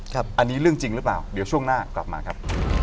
อันนี้เรื่องจริงหรือเปล่าเดี๋ยวช่วงหน้ากลับมาครับ